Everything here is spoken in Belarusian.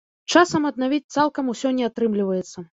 Часам аднавіць цалкам усё не атрымліваецца.